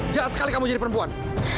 jahat sekali kamu jadi perempuan